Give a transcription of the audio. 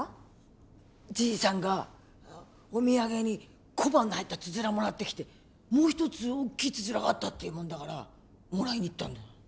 じいさんがお土産に小判が入ったつづらをもらってきて「もう一つ大きいつづらがあった」って言うもんだからもらいに行ったんだ。